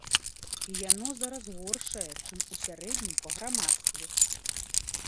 І яно зараз горшае, чым у сярэднім па грамадстве.